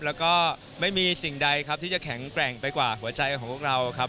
แล้วก็ไม่มีสิ่งใดครับที่จะแข็งแกร่งไปกว่าหัวใจของพวกเราครับ